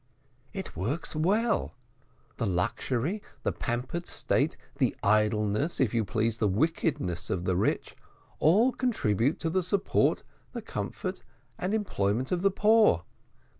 "It works well. The luxury, the pampered state, the idleness if you please, the wickedness of the rich, all contribute to the support, the comfort, and employment of the poor.